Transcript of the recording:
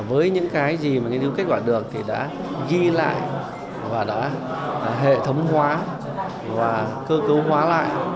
với những cái gì mà nghiên cứu kết quả được thì đã ghi lại và đã hệ thống hóa và cơ cấu hóa lại